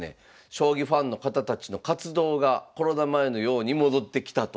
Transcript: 将棋ファンの方たちの活動がコロナ前のように戻ってきたと。